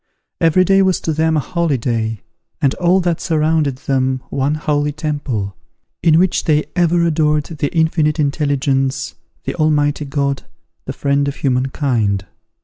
Every day was to them a holyday, and all that surrounded them one holy temple, in which they ever adored the Infinite Intelligence, the Almighty God, the Friend of human kind.